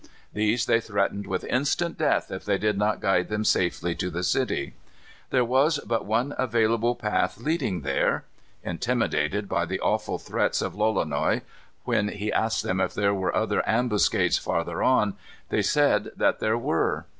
These they threatened with instant death if they did not guide them safely to the city. There was but one available path leading there. Intimidated by the awful threats of Lolonois, when he asked them if there were other ambuscades farther on, they said that there were.